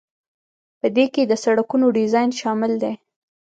په دې کې د سړکونو ډیزاین شامل دی.